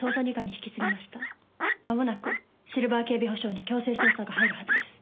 間もなくシルバー警備保障に強制捜査が入るはずです。